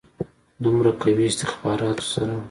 دومره قوي استخباراتو سره.